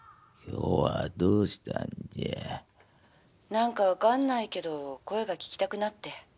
「何か分かんないけど声が聞きたくなって」。